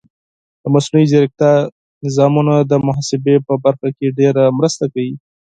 د مصنوعي ځیرکتیا سیستمونه د محاسبې په برخه کې ډېره مرسته کوي.